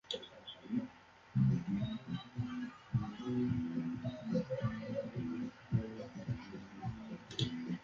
Su sexo y mediciones externas no fueron registrados cuando el animal todavía estaba fresco.